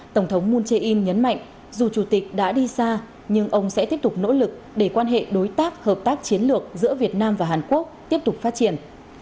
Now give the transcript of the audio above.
tổng thống moon jae in nhấn mạnh dù chủ tịch đã đi xa nhưng ông sẽ tiếp tục nỗ lực để quan hệ đối tác hợp tác chiến lược giữa việt nam và hàn quốc tiếp tục phát triển